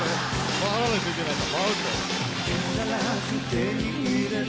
回らないといけないんだ。